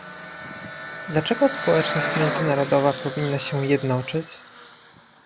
Dlaczego społeczność międzynarodowa powinna się jednoczyć?